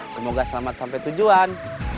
semoga selamat sampai tujuan